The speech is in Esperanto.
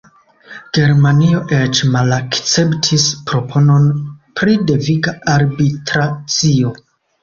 Germanio eĉ malakceptis proponon pri deviga arbitracio.